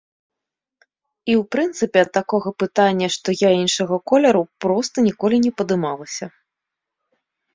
І, у прынцыпе, такога пытання, што я іншага колеру, проста ніколі не падымалася.